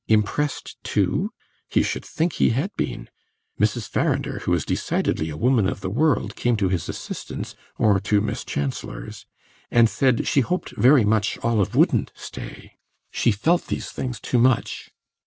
Impressed too? He should think he had been! Mrs. Farrinder, who was decidedly a woman of the world, came to his assistance, or to Miss Chancellor's, and said she hoped very much Olive wouldn't stay she felt these things too much.